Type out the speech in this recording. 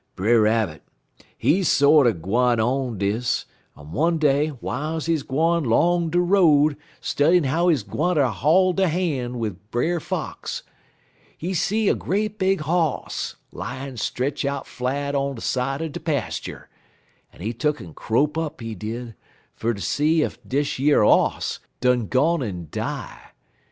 Brer Rabbit he sorter git win' er dis, en one day, w'iles he gwine 'long de road studyin' how he gwineter hol' he hand wid Brer Fox, he see a great big Hoss layin' stretch out flat on he side in de pastur'; en he tuck'n crope up, he did, fer ter see ef dish yer Hoss done gone en die.